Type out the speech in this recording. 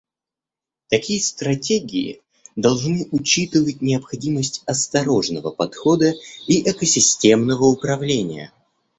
Такие стратегии должны учитывать необходимость осторожного подхода и экосистемного управления.